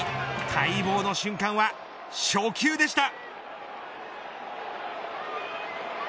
待望の瞬間は初球でした。